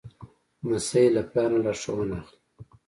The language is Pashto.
لمسی له پلار نه لارښوونه اخلي.